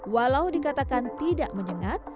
walau dikatakan tidak menyengat